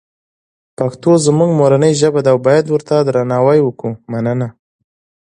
پښتوزموږمورنی ژبه ده اوبایدورته درناوی وکومننه